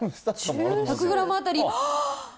１００グラム当たり、あー！